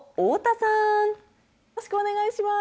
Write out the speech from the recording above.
よろしくお願いします。